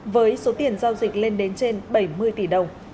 với số tiền giao dịch lên đến trên bảy mươi tỷ đồng